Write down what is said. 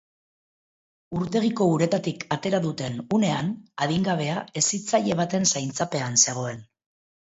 Urtegiko uretatik atera duten unean adingabea hezitzaile baten zaintzapean zegoen.